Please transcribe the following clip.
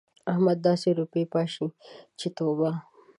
احمد داسې روپۍ پاشي چې توبه!